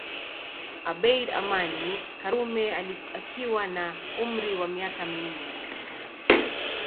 Abeid Amani Karume akiwa na umri wa miaka minne